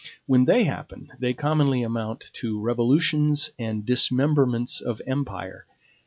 When they happen, they commonly amount to revolutions and dismemberments of empire.